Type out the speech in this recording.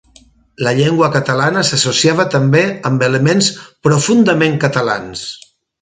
La llengua catalana s'associava també amb elements "profundament" catalans.